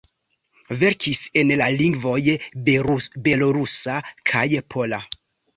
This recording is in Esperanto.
Verkis en la lingvoj belorusa kaj pola.